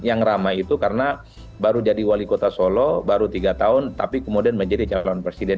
yang ramai itu karena baru jadi wali kota solo baru tiga tahun tapi kemudian menjadi calon presiden